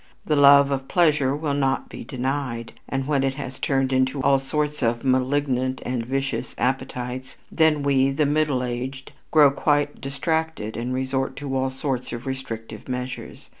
The love of pleasure will not be denied, and when it has turned into all sorts of malignant and vicious appetites, then we, the middle aged, grow quite distracted and resort to all sorts of restrictive measures.